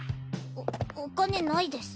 おお金ないです。